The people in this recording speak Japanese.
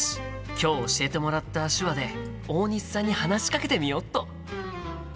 今日教えてもらった手話で大西さんに話しかけてみよっと！